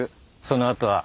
そのあとは。